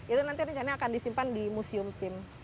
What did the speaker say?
itu nanti rencananya akan disimpan di museum tim